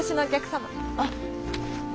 あっ。